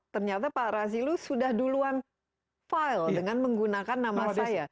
ternyata pak razilu sudah duluan file dengan menggunakan nama saya